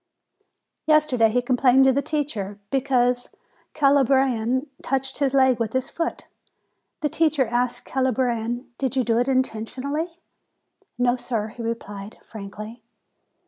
Yesterday he complained to the teacher, because the Calabrian touched his leg with his foot. The teacher asked the Calabrian : "Did you do it intentionally?" "No, sir," he replied, frankly.